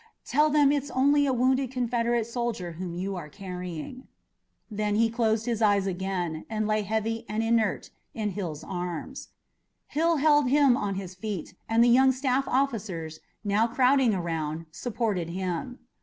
"Tell them it's only a wounded Confederate soldier whom you are carrying." Then he closed his eyes again and lay heavy and inert in Hill's arms. Hill held him on his feet, and the young staff officers, now crowding around, supported him.